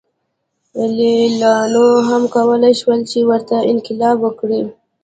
لېلیانو هم کولای شول چې ورته انقلاب وکړي.